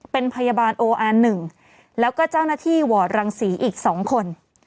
เป็นพยาบาลโออาร์หนึ่งแล้วก็เจ้าหน้าที่หวอดรังสีอีกสองคน